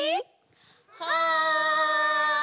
はい！